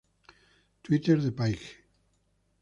Twitter de Paige